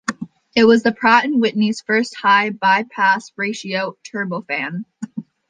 It was the Pratt and Whitney's first high-bypass-ratio turbofan.